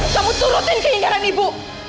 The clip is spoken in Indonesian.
kamu turutin keinginan ibu